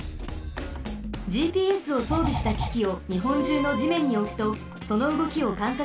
ＧＰＳをそうびしたききをにほんじゅうのじめんにおくとそのうごきをかんさつできます。